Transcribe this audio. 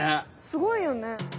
すごいよね。